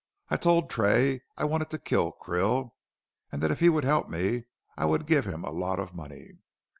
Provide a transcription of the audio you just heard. I told Tray I wanted to kill Krill, and that if he would help me, I would give him a lot of money.